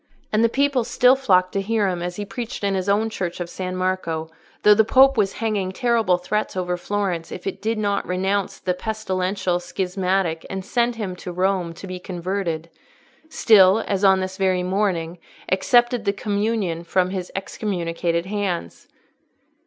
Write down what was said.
And the people still flocked to hear him as he preached in his own church of San Marco, though the Pope was hanging terrible threats over Florence if it did not renounce the pestilential schismatic and send him to Rome to be "converted"—still, as on this very morning, accepted the Communion from his excommunicated hands.